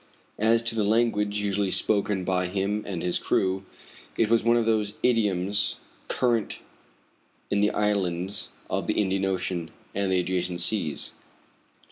As to the language usually spoken by him and his crew, it was one of those idioms current in the islands of the Indian Ocean and the adjacent seas.